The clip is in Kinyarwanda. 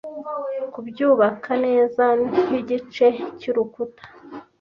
Kubyubaka neza nkigice cyurukuta: